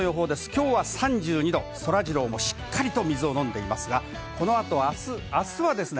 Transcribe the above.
きょうは３２度、そらジローもしっかりと水を飲んでいますが、この後、あす、あすはですね